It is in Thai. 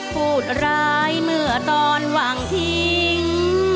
พูดร้ายเมื่อตอนหวังทิ้ง